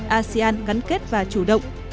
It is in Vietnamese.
asean gắn kết và chủ động